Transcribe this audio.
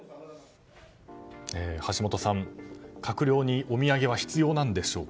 橋下さん、閣僚にお土産は必要なんでしょうか。